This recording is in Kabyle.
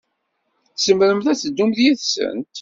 Tzemremt ad teddumt yid-sent.